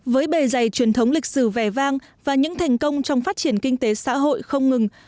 với bề dày truyền thống lịch sử vẻ vang và những thành công trong phát triển kinh tế xã hội không ngừng